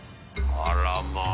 あらまぁ。